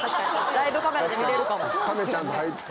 ライブカメラで見れるかも。